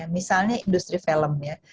misalnya industri film ya